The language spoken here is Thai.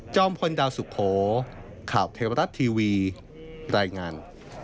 พลดาวสุโขข่าวเทวรัฐทีวีรายงาน